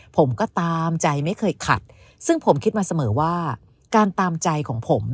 ผมก็ตามใจไม่เคยขัดซึ่งผมคิดมาเสมอว่าการตามใจของผม